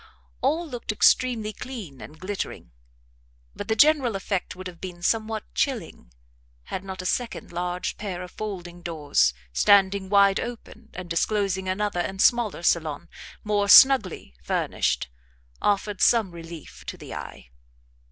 All looked extremely clean and glittering, but the general effect would have been somewhat chilling had not a second large pair of folding doors, standing wide open, and disclosing another and smaller salon, more snugly furnished, offered some relief to the eye.